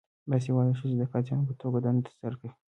باسواده ښځې د قاضیانو په توګه دنده ترسره کوي.